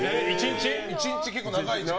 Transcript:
１日、結構長い時間。